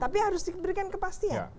tapi harus diberikan kepastian